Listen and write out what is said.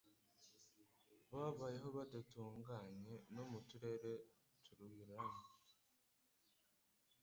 Babayeho batandukanye, no mu turere turuyuranye;